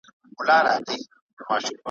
اصفهان چي یې لړزیږي له نامه د شاه محموده ,